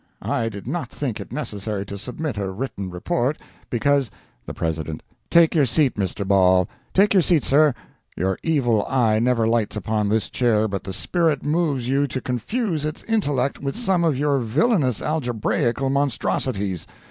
I did not think it necessary to submit a written report, because—" The President—"Take your seat, Mr. Ball—take your seat, sir, your evil eye never lights upon this Chair but the spirit moves you to confuse its intellect with some of your villainous algebraical monstrosities.